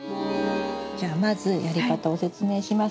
じゃあまずやり方を説明します。